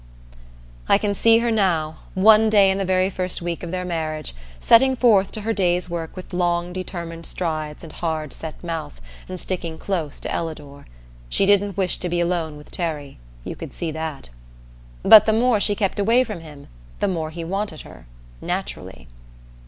I can see her now one day in the very first week of their marriage, setting forth to her day's work with long determined strides and hard set mouth, and sticking close to Ellador. She didn't wish to be alone with Terry you could see that. But the more she kept away from him, the more he wanted her naturally.